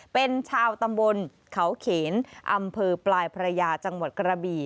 เป็นชาวตำบลเขาเขนอำเภอปลายพระยาจังหวัดกระบี่